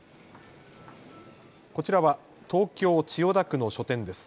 こちらは東京千代田区の書店です。